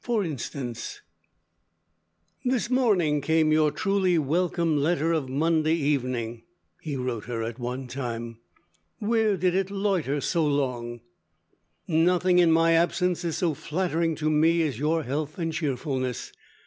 For instance: "This morning came your truly welcome letter of Monday evening," he wrote her at one time. "Where did it loiter so long? "Nothing in my absence is so flattering to me as your health and cheerfulness.